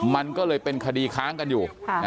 มันก็เลยเป็นคดีค้างกันอยู่